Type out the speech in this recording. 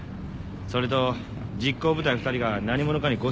それと実行部隊２人が何者かに拘束されていました。